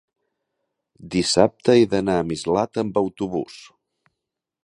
Dissabte he d'anar a Mislata amb autobús.